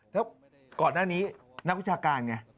แล้วก่อนหน้านี้นักวิชาการไง